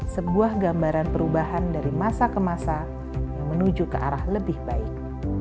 sebuah gambaran perubahan dari masa ke masa yang menuju ke arah lebih baik